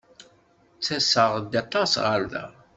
Ttaseɣ-d aṭas ɣer da.